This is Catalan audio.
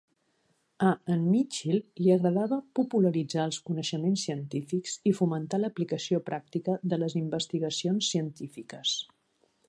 A en Mitchill li agradava popularitzar els coneixements científics i fomentar l'aplicació pràctica de les investigacions científiques.